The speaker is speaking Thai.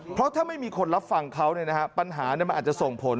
เพราะถ้าไม่มีคนรับฟังเขาปัญหามันอาจจะส่งผล